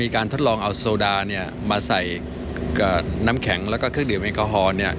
ใน๑ขวดเรามีการทดลองเอาโซดามาใส่น้ำแข็งและเครื่องดื่มแอลกอฮอล์